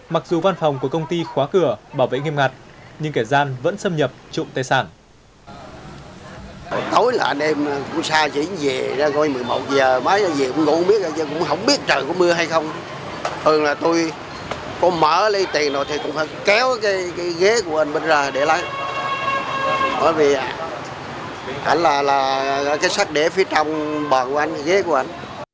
mặc dù văn phòng của công ty khóa cửa bảo vệ nghiêm ngặt nhưng kể gian vẫn xâm nhập trộm tài sản